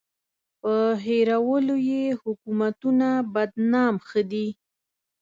په هېرولو یې حکومتونه بدنام ښه دي.